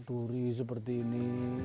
duri seperti ini